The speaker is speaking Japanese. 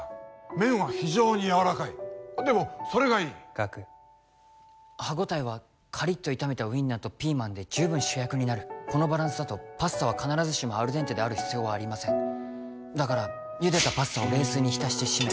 麺は非常にやわらかいでもそれがいい岳歯応えはカリッと炒めたウインナーとピーマンで十分主役になるこのバランスだとパスタは必ずしもアルデンテである必要はありませんだからゆでたパスタを冷水にひたして締め